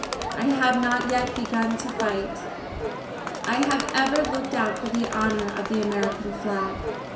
I have not yet begun to fight! I have ever looked out for the honour of the American Flag.